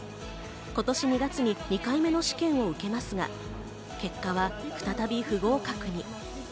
今年２月に２回目の試験を受けますが、結果は再び不合格に。